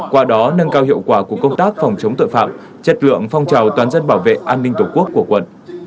qua đó nâng cao hiệu quả của công tác phòng chống tội phạm chất lượng phong trào toàn dân bảo vệ an ninh tổ quốc của quận